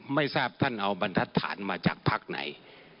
ไม่ทราบท่านเอาบรรทัศนมาจากพักไหน